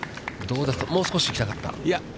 もう少し行きたかった？